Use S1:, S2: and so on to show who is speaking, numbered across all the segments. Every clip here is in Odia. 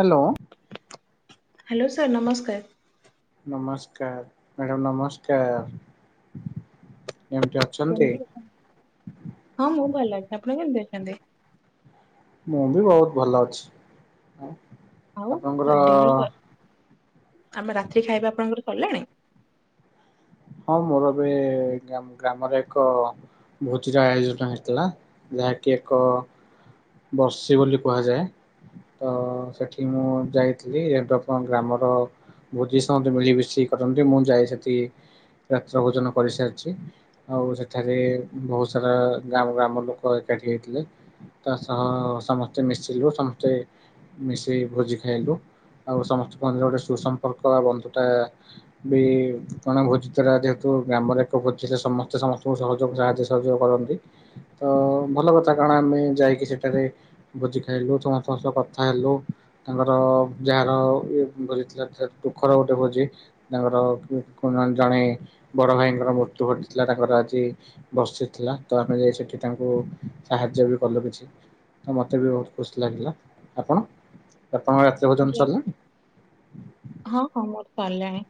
S1: ହାଲୋ।
S2: ହାଲୋ ସାର୍ ନମସ୍କାର୍।
S1: ନମସ୍କାର୍ ମ୍ୟାଡ଼ାମ୍ ନମସ୍କାର୍ କେମିତି ଅ
S2: କେମତି ଅ ହଁ ମୁଁ ଭଲ ଅଛି ଆପଣ କେମତି ଅଛନ୍ତି?
S1: ମୁଁ ବି ବହୁତ ଭଲ ଅଛି
S2: ଆଉ
S1: ଆପଣଙ୍କର
S2: ଆମେ ରାତ୍ରି ଖାଇବା ଆପଣଙ୍କର ସରିଲାଣି?
S1: ହଁ ମୋର ଏବେ ଗ୍ରାମରେ ଏକ ଭୋଜିର ଆୟୋଜନ ହେଇଥିଲା ଯାହାକି ଏକ ବର୍ଷି ବୋଲି କୁହାଯାଏ। ତ ସେଠି ମୁଁ ଯାଇଥିଲି ଏବେ ଆଣ ଗ୍ରାମର ଭୋଜି ସମେ ମିଳି ମିଶି କରନ୍ତି ମୁଁ ଯାଇ ସେଠି ରାତ୍ର ଭୋଜନ କରିସାରିଛି। ଆଉ ସେଠାରେ ବହୁତ ସାରା ଗ୍ରାମ ଗ୍ରାମ ଲୋକ ଏକାଠି ହେଇଥିଲେ। ତା ସହ ସମସ୍ତେ ମିଶିଲୁ ସମସ୍ତେ ମିଶେଇ ଭୋଜି ଖାଇଲୁ ଆଉ ସମସ୍ତଙ୍କରେ ଗୋଟେ ସୁସମ୍ପର୍କ ବା ବନ୍ଧୁ ଟା ବି କଣା ଭୋଜି ଯେହେତୁ ଗ୍ରାମରେ ଏକ ଭୋଜି ରେ ସମସ୍ତେ ସମସ୍ତଙ୍କୁ ସହଯୋଗ ସାହାଯ୍ୟ ସହଯୋଗ କରନ୍ତି। ତ ଭଲ କଥା କଣ ଆମେ ଯାଇକି ସେଠାରେ ଭୁଜି ଖାଇଲୁ ସମସ୍ତଙ୍କ ସହ କଥା ହେଲୁ। ତାଙ୍କର ଯାହାର ଇ ଭୋଜିଥିଲା ଦୁଃଖର ଗୋଟେ ଭୋଜି ତାଙ୍କର ଜଣେ ବଡ ଭାଇଙ୍କର ମୃତ୍ୟୁ ଘଟିଥିଲା ତାଙ୍କର ଆଜି। ବସିଥିଲା ତ ଆମେ ଯାଇ ସେଠି ତାଙ୍କୁ ସାହାଯ୍ୟ ବି କଲୁ କିଛି। ହ ମତେ ବି ବହୁତ ଖୁସି ଲାଗିଲା ଆପଣ ଆପଣଙ୍କ ରାତ୍ରି ଭୋଜନ
S2: ଜି-
S1: ସରିଲାଣି?
S2: ହଁ ହଁ ମୋର ସରିଲାଣି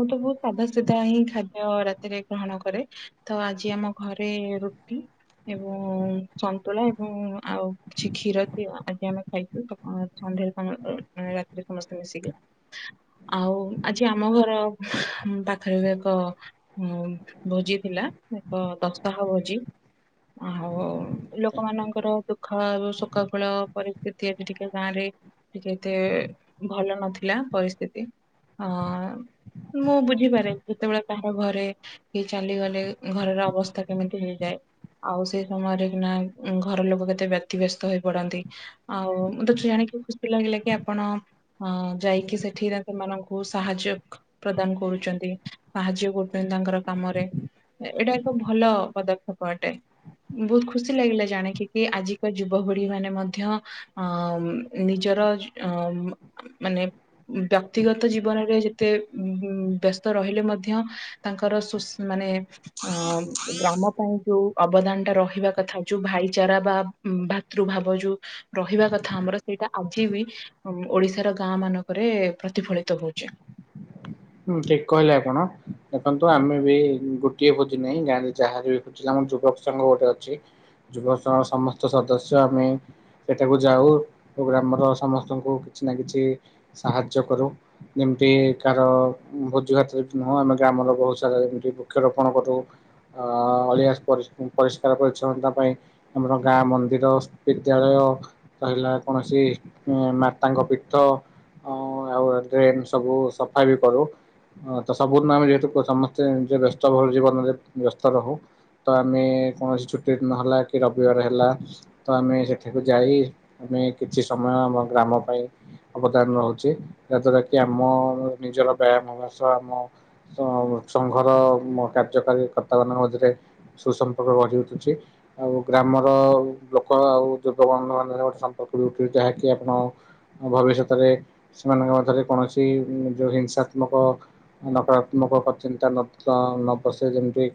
S2: ମୁଁ ତ ବହୁତ ସାଧା ସିଧା ହିଁ ଖାଦ୍ୟ ରାତିରେ ଗ୍ରହଣ କରେ। ତ ଆଜି ଆମ ଘରେ ରୁଟି ଏବଂ ସନ୍ତୁଳା ଏବଂ ଆଉ କିଛି କ୍ଷୀର ଆଜି ଆମେ ଖାଇଛୁ। ସଧ୍ୟୋରେ ରାତିରେ ସମସ୍ତେ ମିଶିକି। ଆଉ ଆଜି ଆମ ଘର ପାଖରେ ବି ଏକ ହଁ ଭୋଜି ଥିଲା ଏକ ଦଶତାହ ଭୋଜି। ଆଉ ଲୋକମାନଙ୍କର ଦୁଃଖ ସୁଖ ଫଳ ପରିସ୍ଥିତି ଆଜି ଟିକେ ଗାଁ ରେ ଟିକେ ଏତେ ଭଲ ନଥିଲା ପରିସ୍ଥିତି ଅ ମୁଁ ବୁଝିପାରେ ଯେତେବେଳେ ତାଙ୍କ ଘରେ କିଏ ଚାଲିଗଲେ ଘରର ଅବସ୍ଥା କେମିତି ହେଇଯାଏ। ଆଉ ସେଇ ସମୟରେ କି ନା ଘର ଲୋକ କେତେ ବ୍ୟତିବ୍ୟସ୍ତ ହେଇ ପଡନ୍ତି। ଆଉ ମୋତେ ଜଣିକି ଖୁସି ଲାଗିଲା କି ଆପଣ ଅ ଯାଇକି କି ସେଠିରେ ସେମାନଙ୍କୁ ସାହାଯ୍ୟ ପ୍ରଦାନ କରୁଛନ୍ତି ସାହାଯ୍ୟ କରୁଛନ୍ତି ତାଙ୍କର କାମରେ। ଏଇଟା ଏକ ଭଲ ପଦକ୍ଷେପ ଅଟେ। ବହୁତ ଖୁସି ଲାଗିଲା ଜାଣିକି କି ଆଜିକା ଯୁବପିଢି ମାନେ ମଧ୍ୟ ଅ ନିଜର ଅ ମାନେ ବ୍ୟକ୍ତିଗତ ଜୀବନରେ ଯେତେ ଉ ବ୍ୟସ୍ତ ରହିଲେ ମଧ୍ୟ ତାଙ୍କର ସୁ ମାନେ ଅ ଗ୍ରାମ ପାଇଁ ଯୋଉ ଅବଦାନ ଟା ରହିବା କଥା। ଯୋଉ ଭାଇଚାରା ବା ଭାତୃଭାବ ଯୋଉ ରହିବା କଥା ଆମର ସେଇଟା ଆଜି ବି ଓଡିଶାର ଗାଁ ମାନଙ୍କରେ ପ୍ରତିଫଳିତ ହଉଛି।
S1: ହୁଁ ଠିକ କହିଲେ ଆପଣ ଦେଖନ୍ତୁ ଆମେ ବି ଗୋଟିଏ ଭୋଜି ନାହିଁ ଗାଁରେ ଯାହାର ବି ଆ ଯୁବକ ସଂଘ ଗୋଟେ ଅଛି ଯୁବକ ସଂଘର ସମସ୍ତ ସଦସ୍ୟ ଆମେ ସେଠାକୁ ଯାଉ ଓ ଗ୍ରାମର ସମସ୍ତଙ୍କୁ କିଛି ନା କିଛି ସାହାଯ୍ୟ କରୁ ଯେମିତି କାର ଭୋଜି ଭାତରେ ବି ନୁହଁ ଆମେ ଗ୍ରାମର ବହୁତ ସାରା ଯେମିତି ବୃକ୍ଷରୋପଣ କରୁ। ଅ ଅଳିଆ ପରିଷ୍କାର ପରିଚଛନ୍ନତା ପାଇଁ ଆମର ଗାଁ ମନ୍ଦିର। ବିଦ୍ୟାଳୟ ରହିଲା କୌଣସି ମାତାଙ୍କ ପୀଠ ଅ ଆଉ ଡ୍ରେନ୍ ସବୁ ସଫା ବି କରୁ। ହଁ ତ ସବୁୁ ଆମେ ଯେହେତୁ ସମସ୍ତେ ନି ବ୍ୟସ୍ତ ବହୁଳ ଜୀବନରେ ବ୍ୟସ୍ତ ରହୁ। ତ ଆମେ କୌଣସି ଛୁଟି ନହେଲା କି ରବିବାର ହେଲା। ତ ଆମେ ସେଠାକୁ ଯାଇ ଆମେ କିଛି ସମୟ ଆମ ଗ୍ରାମ ପାଇଁ ଅବଦାନ ରହୁଛି ଯାହା ଦ୍ଵାରା କି ଆମ ନିଜର ବ୍ୟାୟାମ ଭଶ ଆମ ସ ସଂଘର କାର୍ଯ୍ୟକାରୀ କରର୍ତ୍ତାମାନାନଙ୍କ ମଝିରେ। ସୁସମ୍ପର୍କ ଗଢି ଉଠୁଚି। ଆଉ ଗ୍ରାମର ଲୋକ ଆଉ ଯୁବକ ବନ୍ଧୁ ମାନରେ ଗୋଟେ ସମ୍ପର୍କ ରଉଥିଲେ ଯାହାକି ଆପଣ ଭବିଷ୍ୟତରେ ସେମାନଙ୍କ ମଧ୍ୟରେ କୌଣସି ଯେଉଁ ହିଂସା ନକ ନକାତ୍ମକ ଚିନ୍ତା ନ ନ ପସେ ଯେମିତି।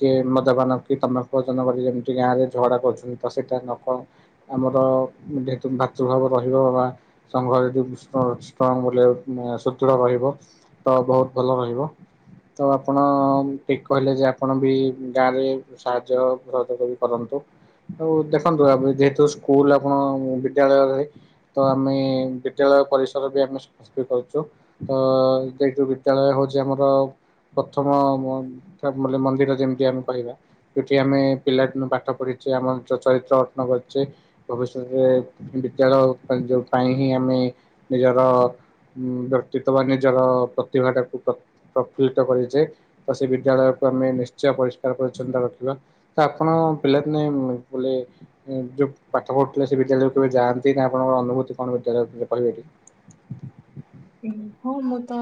S1: କି ମ ମାନ କି ତମେଜନ କରି ଯେମିତି ଗାଁ ରେ ଝଗଡା କରୁଚନ୍ତି ତ ସେଇଟା ନ କ ଆମର ଯେହେତୁ ଭାତୃଭାବ ରହିବ ବା ସଂଘ ଯଦିଷ୍ଟ ବଲେ ଶତୁୁର ରହିବ। ତ ବୋହୁତ ଭଲ ରହିବ। ତ ଆପଣ ଠିକ କହିଲେ ଯେ ଆପଣ ବି ଗାଁରେ ସାହାଯ୍ୟ ସହଜଗ ବି କରନ୍ତୁ। ଆଉ ଦେଖନ୍ତୁ ଆ ଯେହେତୁ ସ୍କୁଲ ଆପଣ ବିଦ୍ୟାଳୟରେ ତ ଆମେ ବିଦ୍ୟାଳୟ ପରିସର ବି ଆମେ ସ୍ସ୍ କରୁଚୁ ତ ସେଇଠୁ ବିଦ୍ୟାଳୟ ହୋଉଚି ଆମର ପ୍ରଥମ ମ ମନ୍ଦିର ଯେମିତି ଆମେ କହିବା। ଯୋଉଠି ଆମେ ପିଲା ଦିନେ ପାଠ ପଢିଚେ ଆମର ଚରିତ୍ର ଗଠନ କରିଚେ। ଭବିଷ୍ୟତରେ ବିଦ୍ୟାଳୟ ଯୋଉ ପାଇଁ ହିଁ ଆମେ ନିଜର ଉଁ ବ୍ୟତିତ ବା ନିଜର ପ୍ରତିଭା ଟାକୁ ପ୍ରଫୁଲ୍ଲିତ କରିଚେ ତ ସେ ବିଦ୍ୟାଳୟକୁ ଆମେ ନିଶ୍ଚୟ ପରିଷ୍କାର ପରିଚ୍ଛନତା ରଖିବା। ତ ଆପଣ ପିଲାିନେ ବୋଲେ ଯୋଉ ପାଠ ପଢୁଥିଲେ ସେ ବିଦ୍ୟାଳୟକୁ କେବେ ଯାଆନ୍ତି ନା ଆପଣଙ୍କର ଅନୁଭୂତି କଣ ବିଦ୍ୟାଳୟ କହିବେକି।
S2: ହଁ ମୁଁ ତ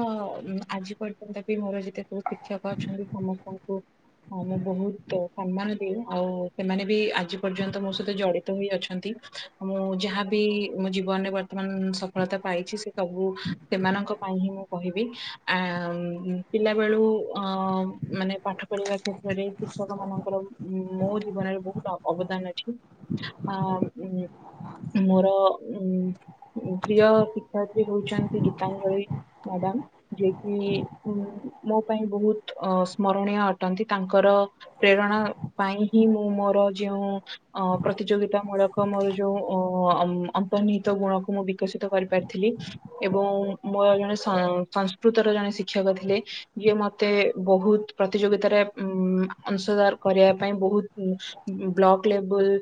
S2: ଆଜି ପର୍ଯ୍ୟନ୍ତ ବି ମୋର ଯେତେବେ ଶିକ୍ଷକ ଅଛନ୍ତି ସମସ୍ତଙ୍କୁ ହଁ ମୁଁ ବୋହୁତ ସମ୍ମାନ ଦିଉ ଆଉ ସେମାନେ ବି ଆଜି ପର୍ଯ୍ୟନ୍ତ ମୋ ସହିତ ଜଡିତ ହୋଇ ଅଛନ୍ତି। ମୁଁ ଯାହାବି ମୋ ଜୀବନରେ ବର୍ତ୍ତମାନ ସଫଳତା ପାଇଛି ସେ ସବୁ ସେମାନଙ୍କ ପାଇଁ ହିଁ ମୁଁ କହିବି ଆଁ ପିଲା ବେଳୁ ଅଁ ମାନେ ପାଠ ପଢିବା କ୍ଷେତ୍ରରେ ଶିକ୍ଷକ ମାନଙ୍କର ମୋ ଜୀବନରେ ବୋହୁତ ଅବଦାନ ଅଛି। ଆଁ ଉଁ। ମୋର ଉ ପ୍ରିୟ ଶିକ୍ଷୟତ୍ରୀ ହୋଉଚନ୍ତି ଗୀତାଞ୍ଜଳି ମାଡାମ୍। ଯିଏକି ଉ ମୋ ପାଇଁ ବୋହୁତ ଅ ସ୍ମରଣୀୟ ଅଟନ୍ତି ତାଙ୍କର ପ୍ରେରଣା ପାଇଁ ହିଁ ମୁଁ ମୋର ଯେଉଁ ଅ ପ୍ରତିଯୋଗିତା ମୂଳକ ମୋର ଯୋଉ ଅ ଅନ୍ତର୍ନିହିତ ଗୁଣକୁ ମୁଁ ବିକଶିତ କରିପାରିଥିଲି ଏବଂ ମୋର ଜଣେ ସଂସ୍କୃତରେ ଜଣେ ଶିକ୍ଷକ ଥିଲେ। ଯିଏ ମତେ ବୋହୁତ ପ୍ରତିଯୋଗିତାରେ ଅଂଶଦାର କରିବା ପାଇଁ ବୋହୁତ ବ୍ଲକ ଲେବୁଲ୍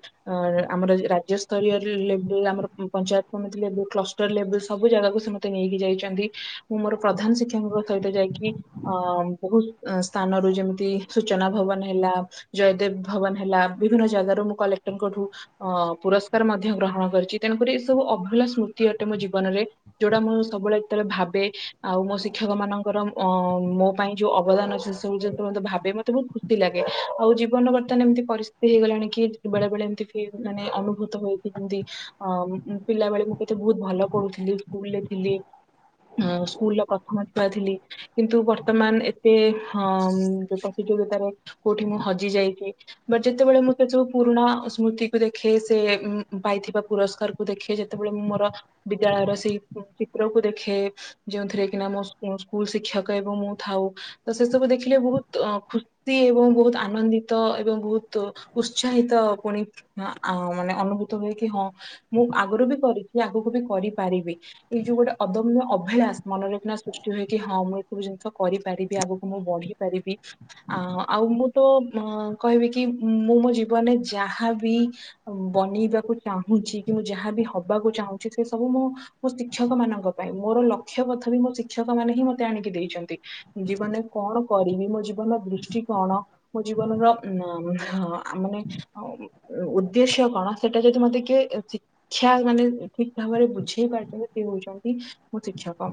S2: ଆମର ରାଜ୍ୟସ୍ତରୀୟ ଲ ଆମର ପଞ୍ଚାୟତ କମିତି ଲେ କ୍ଲର ଲେବୁଲ ସବୁ ଜାଗାକୁ ସେ ମତେ ନେଇକି ଯାଇଚନ୍ତି ମୁଁ ମୋର ପ୍ରଧାନ ଶିକ୍ଷକଙ୍କ ସହିତ ଯାଇକି ଅ ବୋହୁତ ସ୍ଥାନରୁ ଯେମିତି ସୂଚନା ଭବନ ହେଲା। ଜୟଦେବ ଭବନ ହେଲା ବିଭିନ୍ନ ଜାଗାରୁ ମୁଁ କଲେକ୍ଟର ଙ୍କ ଠୁ ଅ ପୁରସ୍କାର ମଧ୍ୟ ଗ୍ରହଣ କରିଚି ତେଣୁକରି ଏ ସବୁ ଅଭୁଲା ସ୍ମୃତି ଅଟେ ମୋ ଜୀବନରେ। ଯୋଉଟା ମୁସ୍ ସବୁବେଳେ ଯେତେବେଳେ ଭାବେ ଆଉ ମୋ ଶିକ୍ଷକ ମାନଙ୍କର ମୋ ପାଇଁ ଯୋଉ ଅବଦାନ ସେ ସବୁ ତ ଭାବେ ମତେ ବୋହୁତ ଖୁସି ଲାଗେ ଆଉ ଜୀବନର ବର୍ତ୍ତମାନ ଏମିତି ପରିସ୍ଥିତି ହେଇଗଲାଣି କି ବେଳେ ବେଳେ ଏମତି ଫିର ମାନେ ଅନୁଭୂତ ହୋଇଥାନ୍ତି ଥାନ୍ତି। ଅ ପିଲାବେଳେ ମୁଁ କେତେ ବୋହୁତ ଭଲ ପଢୁଥିଲି ସ୍କୁଲରେ ଥିଲି। ସ୍କୁଲର ପ୍ରଥମ ଛୁଆ ଥିଲି। କିନ୍ତୁ ବର୍ତ୍ତମାନ ଏତେ ହଁ ଯୋଉ ପ୍ରତିଯୋଗିତାରେ କୋଉଠି ମୁଁ ହଜି ଯାଇଚି ବଟ ଯେତେବେଳେ ମୁଁ ସେ ଯବୁ ପୁରୁଣା ସ୍ମୃତିକୁୁ ଦେଖେ ସେ ପାଇଥିବା ପୁରସ୍କାରକୁ ଦେଖେ ଯେତେବେଳେ ଉୁଁ ମର ବିଦ୍ୟାଳୟର ସେଇ ଉୁଁ ଚିତ୍ରକୁୁ ଦେଖେ ଯେଉଁଥିରେ କିନା ମୋ ସ୍କୁ ସ୍କୁଲ ଶିକ୍ଷକ ଏବଂ ମୁଁ ଥାଉ ତ ସେ ସବୁ ଦେଖିଲେ ବହୁତ୍ ଅଁ ଖୁସି ତି ଏବଂ ବହୁତ୍ ଆନନ୍ଦିତ ଏବଂ ବହୁତ୍ ଉତ୍ସାହିତ ପୁଣି [unintelligible] ଆଓଁ ମାନେ ଅନୁଭୂତ ହୁଏ କି ହଁ ମୁଁ ଆଗରୁ ବି କରିଚି ଆଗକୁ ବି କରିପାରିବି। ଏଇ ଯୋଉ ଗୋଟେ ଅଦମ୍ୟ ଅଭିଳାସ୍ ମନରେଖିନା ସୃଷ୍ଟି ହୁଏ କି ହଁ ମୁଁ ଏ ସବୁ ଜିନିଷ କରିପାରିବି ଆଗକୁ ମୁଁ ବଢି ପାରିବି। ଆ ଆଉ ମୁଁ ତ ମଃ କହିବି କି ଉୁଁ ମୁଁ ମୋ ଜୀବନରେ ଯାହାବି ଆଉ ବନିବାକୁ ଚାହୁଁଚି କି ମୁଁ ଯାହାବି ହବାକୁ ଚାହୁଁଚି ସେ ସବୁ ମୋ ମୋ ଶି କ୍ଷକ ମାନଙ୍କ ପାଇଁ ମୋର ଲକ୍ଷ୍ୟ କଥା ବି ମୋ ଶିକ୍ଷକ ମାନେ ହିଁ ମତେ ଆଣିକି ଦେଇଚନ୍ତି। ଜୀବନରେ କଣ କରିବି ମୋ ଜୀବନର ଦୃଷ୍ଟି କଣ ମୋ ଜୀବନ ର ଉଁ ହ ଆ ମାନେ ଉ ଉଦ୍ଦେଶ୍ୟ କଣ ସେଟା ଯଦି ମତେ କିଏ ଏ ଶି କ୍ଷା ମାନେ ଠିକ୍ ଭାବରେ ବୁଝେଇ ପାରୁଚନ୍ତି ସିଏ ହଉଚନ୍ତି ମୋ ଶିକ୍ଷକ।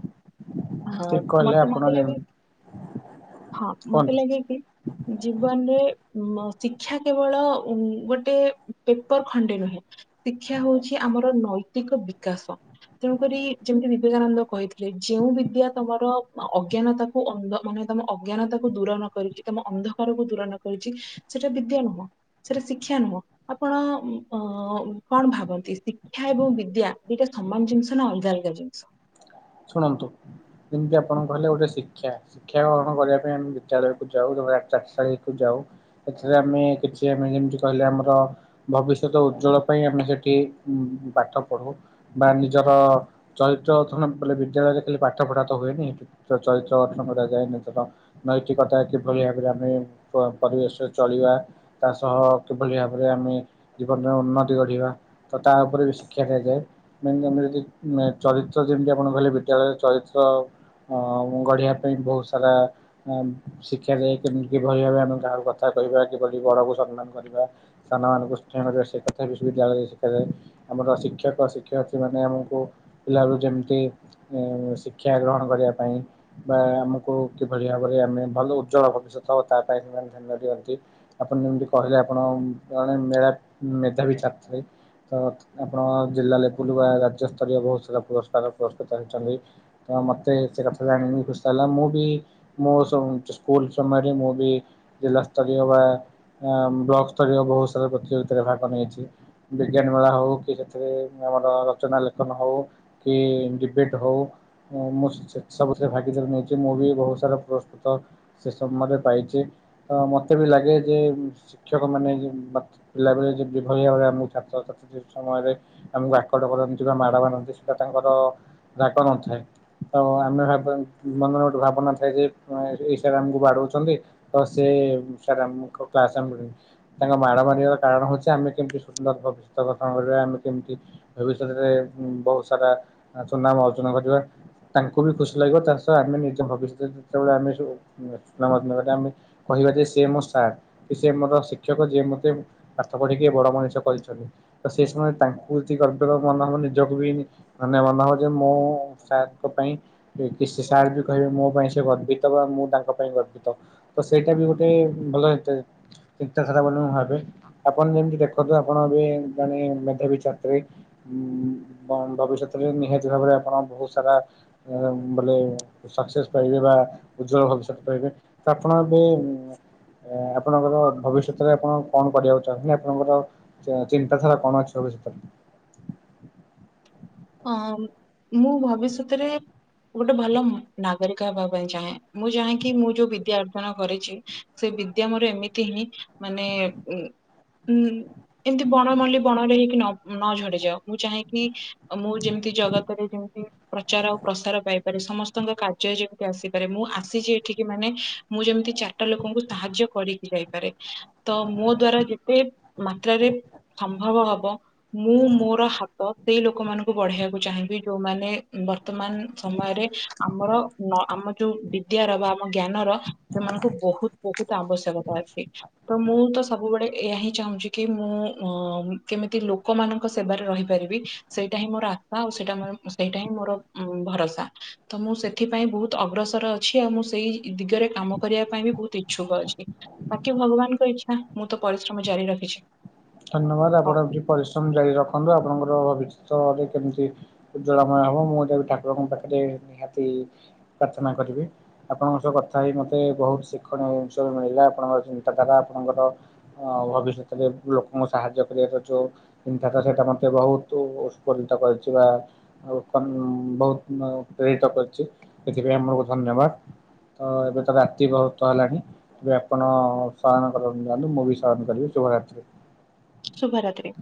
S2: ହ
S1: ଠିକ କହିଲେ
S2: ମତେ
S1: ଆପଣ
S2: ମତେ ଲାଗେ
S1: ଯେମିତି
S2: ହଁ ମତେ
S1: କୁହନ୍ତୁ
S2: ଲାଗେ କି ଜୀବନରେ ଉ ମ ଶିକ୍ଷା କେବଳ ଉ ଗୋଟେ ପେପର ଖଣ୍ଡେ ନୁହେଁ। ଶିକ୍ଷା ହଉଚି ଆମର ନୈତିକ ବିକାଶ। ତେଣୁକରି ଯେମିତି ବିବେକାନନ୍ଦ କହିଥିଲେ ଯେଉଁ ବିଦ୍ୟା ତମର ଅଜ୍ଞାନତା କୁ ଅନ୍ଦ ମନେ ତମ ଅଜ୍ଞାନତା କୁ ଦୂର ନ କରିକି ତମ ଅନ୍ଧକାରକୁ ଦୂର ନ କରିଚି ସେଟା ବିଦ୍ୟା ନୁହ ସେଟା ଶିକ୍ଷା ନୁହ। ଆପଣ ଉୁଁ ଅ କଣ ଭାବନ୍ତି ଶିକ୍ଷା ଏବଂ ବିଦ୍ୟା ଦିଟା ସମାନ ଜିନିଷ୍? ନା ଅଲଗା ଅଲଗା ଜିନିଷ?
S1: ଶୁଣନ୍ତୁ ଯେମିତି ଆପଣଙ୍କୁ କହିଲେ ଗୋଟେ ଶିକ୍ଷା ଶିକ୍ଷା ଗ୍ରହଣ କରିବା ପାଇଁ ଆମେ ବିଦ୍ୟାଳୟକୁ ଯାଉ [unintelligible] ଚାଟଶାଳି କୁ ଯାଉ ଏଥିରେ ଆମେ କିଛି ଆମେ ଯେମିତି କହିଲେ ଆମର ଭବିଷ୍ୟତ ଉଜ୍ଜଳ ପାଇଁ ଆମେ ସେଠି ଉ ପାଠ ପଢୁ। ବା ନିଜର ଚରିତ୍ର ଗଥନ ବଲେ ବିଦ୍ୟାଳୟରେ ଖାଲି ପାଠ ପଢ଼ା ତ ହୁଏନି ଚ ଚ ଚରିତ୍ର ଗଠନ କରାଯାଏ ନିଜର। ନୈତିକତା କିଭଳି ଭାବରେ ଆମେ ପ ପରିବେଶ ଚଳିବା। ତା ସହ କିଭଳି ଭାବରେ ଆମେ ଜୀବନରେ ଉନ୍ନତି ଗଢିବା। ତ ତା ଉପରେ ବି ଶିକ୍ଷା ଦିଆଯାଏ ମେନେ ଆମେ ଯଦି ମେ ଚରିତ୍ର ଯେମିତିଆ ଆପଣ କହିଲେ ବିଦ୍ୟାଳୟରେ ଚରିତ୍ର ଅଁ ଗଢ଼ିଆ ପାଇଁ ବହୁ ସାରା ଅମ୍ ଶିକ୍ଷା ଯାଏ କେମିତି କିଭଳି ଭାବେ ଆମେ କାହାକୁ କଥା କହିବା କିଭଳି ବଡକୁ ସନ୍‌ମାନ କରିବା। ସାନ ମାନଙ୍କୁ ସ୍ନେହ [unintelligible] ସେ କଥା ବିସ୍ ବିଦ୍ୟାଳୟରେ ଶିଖା ଯାଏ। ଆମର ଶିକ୍ଷକ, ଶିକ୍ଷୟତ୍ରୀ ମାନେ ଆମକୁ ପିଲାଏକୁ ଯେମିତି [unintelligible] ଶିକ୍ଷା ଗ୍ରହଣ କରିବା ପାଇଁ ବା ଆମକୁ କିଭଳି ଭାବରେ ଆମେ ଭଲ ଉଜ୍ଜଳ ଭବିଷ୍ୟତ ତା ପାଇଁ ସେମାନେ ଧ୍ୟାନ ଦିଅନ୍ତି। ଆପଣ ଯେମିତି କହିଲେ ଆପଣ ଜଣେ ମେଳାପ୍ ମେଧାବି ଛାତ୍ରୀ। ତତ୍ ଆପଣ ଜିଲ୍ଲା ଲେବୁଲୁ ବା ରାଜ୍ୟ ସ୍ତରୀୟ ବହୁ ସାରା ପୁରସ୍କାର ପୁରସ୍କୃତ ହେଇଚନ୍ତି। ତ ମତେ ଏତେ କଥା ଜାଣିକି ଖୁସଲା ମୁଁ ବି ମୋସ [unintelligible] ସ୍କୁଲ ସମୟରେ ମୁଁ ବି ଜିଲ୍ଲା ସ୍ତରୀୟ ବା ଆଁ ବ୍ଲକ ସ୍ତରୀୟ ବହୁ ସାରା ପ୍ରତିଯୋଗିତାରେ ଭାଗ ନେଇଚି। ବିଜ୍ଞାନ ମେଳା ହଉ କି ସେଥିରେ ଆମର ରଚନା ଲେଖନ ହଉ କି ଡିବେଟ୍ ହଉ ମୁଁ ମୁଁ ସେ ସବୁଥିରେ ଭାଗିଦାର୍ ନେଇଚି ମୁଁ ବି ବହୁ ସାରା ପୁରସ୍କୃତ ସେ ସମୟରେ ପାଇଚି ତ ମତେ ବି ଲାଗେ ଯେ ଶିକ୍ଷକମାନେ ଯେ ବାତ୍ ପିଲାବେଳେ ଯେ ବିଭଳି ଭାବରେ ଆମ ଉ ଛାତ୍ରଛାତ୍ରୀ ସମୟରେ ଆମକୁ ଆକଟ କରନ୍ତି ବା ମାଡ ମାରନ୍ତି ସେଟା ତାଙ୍କର ରାଗ ନଥାଏ। ତ ଆମେ ଭାବ ମନର ଗୋଟେ ଭାବନା ଥାଏ ଯେ ଏଇ ସାରେ ଆମକୁ ବାଡଉଚନ୍ତି। ତ ସେ ସାର ଆମୁକୁ କ୍ଲାସ [unintelligible] ତାଙ୍କ ମାଡ଼ ମାରିବାର କାରଣ ହଉଚି ଆମେ କେମିତି ସୁନ୍ଦର ଭବିଷ୍ୟ ଗଠନ କରିବା ଆମେ କେମିତି ଭବିଷ୍ୟତରେ ବହୁ ସାରା ଆଁ ସୁନାମ ଅର୍ଜନ କରିବା। ତାଙ୍କୁ ବି ଖୁସି ଲାଗିବ ତା ସହ ଆମେ ନିଜ ଭବିଷ୍ୟତରେ ଯେତେବେଳେ ଆମେ ସବୁ [unintelligible] ଆମେ କହିବା ଯେ ସେ ମୋ ସାର୍ କି ସେ ମୋର ଶିକ୍ଷକ ଯିଏ ମତେ ପାଠ ପଢେଇକି ବଡ ମଣିଷ କରିଛନ୍ତି। ତ ସେ ସମୟ ତାଙ୍କୁ ଯଦି ଗର୍ବର ମନ ହବ ନିଜକୁ ବି ମାନେ ମନ ହେଉ ଯେ ମୁଁ ସାରଙ୍କ ପାଇଁ କି ସାର୍ ବି କହିବେ ମୋ ପାଇଁ ସେ ଗର୍ବିତ ମୁଁ ତାଙ୍କ ପାଇଁ ଗର୍ବିତ। ତ ସେଇଟା ବି ଗୋଟେ ଭଲ ଚିନ୍ତାଧାରା ବୋଲି ଭାବେ। ଆପଣ ଯେମିତି ଦେଖନ୍ତୁ ଆପଣ ଏ ବି ଜଣେ ମେଧାବୀ ଛାତ୍ରୀ। ଉଁ ଭବିଷ୍ୟତ [unintelligible] ନିହାତୀ। ଭାବରେ ଆପଣ ବହୁତ ସାରା ଉଁ ବୋଲେ ସକ୍ସେସ୍ ପାଇବେ ବା ଉଜ୍ଜଳ ଭବିଷ୍ୟତ ପାଇବେ। ତ ଆପଣ ଏବେ ଏ ଆପଣଙ୍କର ଭବିଷ୍ୟତରେ ଆପଣ କଣ କରିବାକୁ ଚାହୁଁଛନ୍ତି? ଆପଣଙ୍କର ଚିନ୍ତାଧାରା କଣ ଅଛି। [unintelligible]
S2: ହଁ ମୁଁ ଭବିଷ୍ୟତରେ ଗୋଟେ ଭଲ ନାଗରିକ ହେବା ପାଇଁ ଚାହେଁ। ମୁଁ ଚାହେଁକି ମୁଁ ଯୋଉ ବିଦ୍ୟା ଅର୍ଜନ କରିଛି ସେ ବିଦ୍ୟା ମୋର ଏମିତି ହିଁ ମାନେ ଉ ଉଁ ଏମତି ବଣ ମଲି ବଣରେ ହେଇକି ନ ନ ଝଡିଯାଉ। ମୁଁ ଚାହିଁକି ଆ ମୁଁ ଯେମିତି ଜଗତରେ ଯେମିତି ପ୍ରଚାର ଆଉ ପ୍ରସାର ପାଇପାରେ ସମସ୍ତଙ୍କ କାର୍ଯ୍ୟ ଯେମିତି ଆସିପାରେ। ମୁଁ ଆସିଛି ଏଠିକି ମାନେ ମୁଁ ଯେମିତି ଚାରିଟା ଲୋକଙ୍କୁ ସାହାଯ୍ୟ କରିକି ଯାଇପାରେ। ତ ମୋ ଦ୍ଵାରା ଯେତେ ମାତ୍ରାରେ ସମ୍ଭବ ହବ ମୁଁ ମୋର ହାତ ସେଇ ଲୋକମାନଙ୍କୁ ବଢେଇବାକୁ ଚାହିଁବି ଯୋଉମାନେ ବର୍ତ୍ତମାନ ସମୟରେ ଆମର ଆମ ଯୋଉ ବିଦ୍ୟାର ବା ଆମ ଜ୍ଞାନର ସେମାନଙ୍କୁ ବହୁତ ବହୁତ ଆବଶ୍ୟକତା ଅଛି। ତ ମୁଁ ତ ସବୁବେଳେ ଏହା ହିଁ ଚାହୁଁଛି କି ମୁଁ ଅ କେମିତି ଲୋକମାନଙ୍କ ସେବାରେ ରହିପାରିବି। ସେଇଟା ହିଁ ମୋର ଆଶା ଆଉ ସେଇଟା ସେଇଟା ହିଁ ମୋର ଭରସା। ତ ମୁଁ ସେଥିପାଇଁ ବହୁତ ଅଗ୍ରସର ଅଛି ଆଉ ମୁଁ ସେଇ ଦିଗରେ କାମ କରିବା ପାଇଁ ବି ବହୁତ ଇଛୁକ ଅଛି। ବାକି ଭଗବାନଙ୍କ ଇଚ୍ଛା ମୁଁ ତ ପରିଶ୍ରମ ଜାରି ରଖିଛି।
S1: ଧନ୍ୟବାଦ
S2: ହଉ
S1: ଆପଣ ଏବେ ପରିଶ୍ରମ ଜାରି ରଖନ୍ତୁ। ଆପଣଙ୍କର ଭବିଷ୍ୟତରେ କେମିତି ଉଜ୍ଜଳମୟ ହବ ମୁଁ ବି ଠାକୁରଙ୍କ ପାଖରେ ନିହାତି ପ୍ରାର୍ଥନା କରିବି। ଆପଣଙ୍କ ସହ କଥା ହେଇ ମୋତେ ବହୁତ ଶିକ୍ଷଣୀୟ ଜିନିଷ ମିଳିଲା। ଆପଣଙ୍କର ଚିନ୍ତାଧାରା ଆପଣଙ୍କର ହଁ ଭବିଷ୍ୟତରେ ଲୋକଙ୍କୁ ସାହାଯ୍ୟ କରିବାଟା ଯୋ ଚିନ୍ତାଟା ସେଇଟା ମୋତେ ବହୁତ ଉତ୍ପରିତ କରିଛି। ବା ଆଉ କ ବହୁତ ପ୍ରେରିତ କରିଛି ସେଥିପାଇଁ ଆମକୁ ଧନ୍ୟବାଦ। ତ ଏବେ ତ ରାତି ବହୁତ ହେଲାଣି। ତେବେ ଆପଣ ଶୟନ କରନ୍ତୁ ଯାଆନ୍ତୁ ମୁଁ ବି ଶୟନ କରିବି ଶୁଭରାତ୍ରି।
S2: ଶୁଭ ରାତ୍ରି।